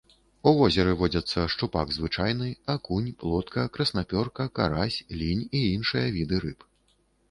У возеры водзяцца шчупак звычайны, акунь, плотка, краснапёрка, карась, лінь і іншыя віды рыб.